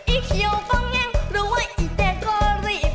ไอ้เขียวบ้างยังหรือว่าไอ้แดกก็รีบ